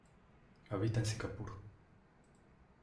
Habita en Singapur.